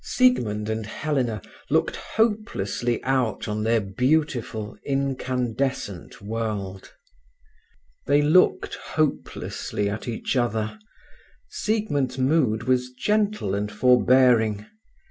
Siegmund and Helena looked hopelessly out on their beautiful, incandescent world. They looked hopelessly at each other, Siegmund's mood was gentle and forbearing.